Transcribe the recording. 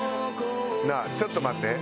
なあちょっと待って。